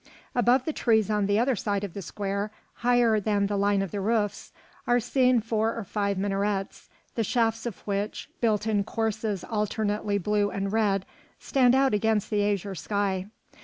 Above the trees on the other side of the square, higher than the line of the roofs, are seen four or five minarets, the shafts of which, built in courses alternately blue and red, stand out against the azure sky.